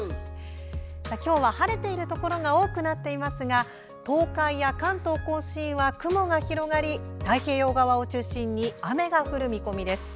今日は晴れているところが多くなっていますが東海や関東甲信は雲が広がり太平洋側を中心に雨が降る見込みです。